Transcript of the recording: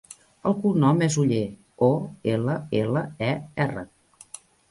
El cognom és Oller: o, ela, ela, e, erra.